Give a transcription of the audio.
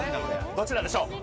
どちらでしょう